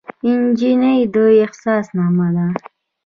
نجلۍ د احساس نغمه ده.